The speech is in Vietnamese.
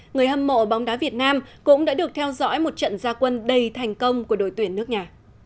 người hâm mộ bóng đá việt nam cũng đã được theo dõi một trận gia quân đầy thành công của đội tuyển nước nhà